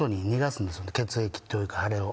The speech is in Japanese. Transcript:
血液というか腫れを。